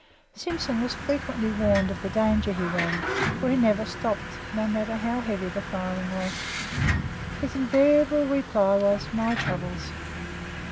Simpson was frequently warned of the danger he ran, for he never stopped, no matter how heavy the firing was. His invariable reply was "My troubles!"